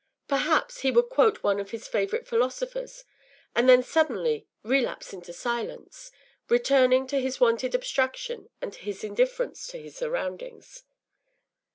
Perhaps he would quote one of his favourite philosophers, and then suddenly relapse into silence, returning to his wonted abstraction and to his indifference to his surroundings.